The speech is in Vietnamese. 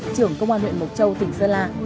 trưởng công an huyện mộc châu tỉnh sơn la